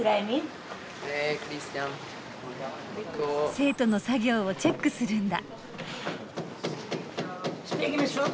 生徒の作業をチェックするんだ。